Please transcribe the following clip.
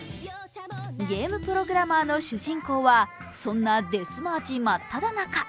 ゲームプログラマーの主人公は、そんなデスマーチ真っただ中。